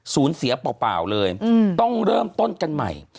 เสียเปล่าเลยต้องเริ่มต้นกันใหม่